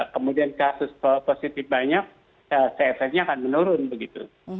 kemudian kasus positif banyak csr nya akan menurun begitu